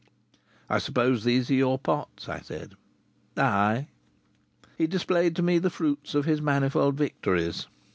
"I suppose these are your pots?" I said. "Ay!" He displayed to me the fruits of his manifold victories.